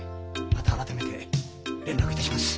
また改めて連絡いたします。